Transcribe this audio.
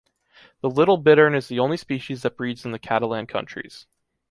The little bittern is the only species that breeds in the Catalan Countries.